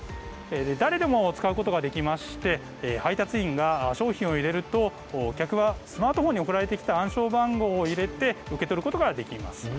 誰でも使うことができまして配達員が商品を入れると客はスマートフォンに送られてきた暗証番号を入れて受け取ることができます。